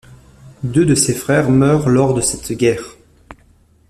Deux de ses frères meurent lors de cette guerre.